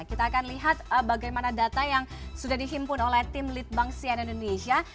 kita akan lihat bagaimana data yang sudah dihimpun oleh tim litbang sian indonesia